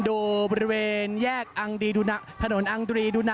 ดูบริเวณแยกอังรีดุนัง